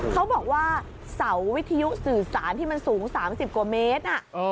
เขาบอกว่าเสาวิทยุสื่อสารที่มันสูง๓๐กว่าเมตร